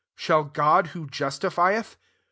Shall God who justifieth ?